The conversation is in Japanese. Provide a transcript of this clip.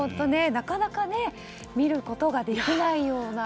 なかなか見ることができないような。